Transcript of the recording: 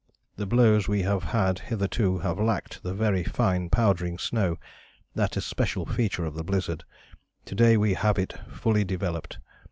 The blows we have had hitherto have lacked the very fine powdering snow, that especial feature of the blizzard. To day we have it fully developed.